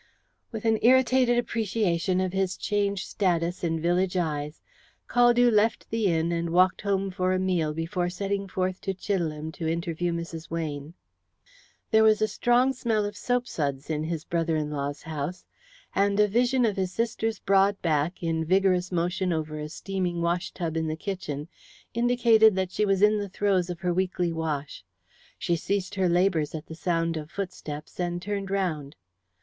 With an irritated appreciation of his changed status in village eyes, Caldew left the inn and walked home for a meal before setting forth to Chidelham to interview Mrs. Weyne. There was a strong smell of soap suds in his brother in law's house, and a vision of his sister's broad back, in vigorous motion over a steaming wash tub in the kitchen, indicated that she was in the throes of her weekly wash. She ceased her labours at the sound of footsteps, and turned round.